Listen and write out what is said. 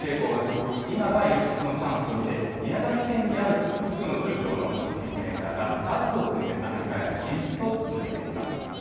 円安傾向が続く今が輸出のチャンスと見て、宮崎県にある複数の中小の食品メーカーがタッグを組んで、アメリカへの進出を進めています。